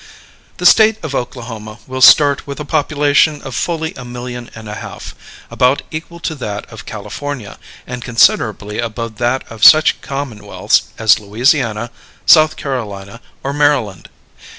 The State of Oklahoma will start with a population of fully a million and a half about equal to that of California, and considerably above that of such commonwealths as Louisiana, South Carolina, or Maryland.